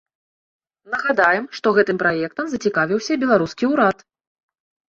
Нагадаем, што гэтым праектам зацікавіўся і беларускі ўрад.